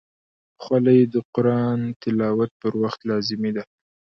خولۍ د قرآن تلاوت پر وخت لازمي ده.